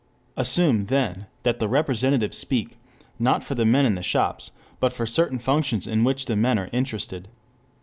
Assume then that the representatives speak, not for the men in the shops, but for certain functions in which the men are interested.